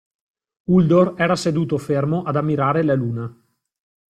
Uldor era seduto fermo ad ammirare la luna.